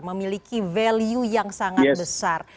memiliki value yang sangat besar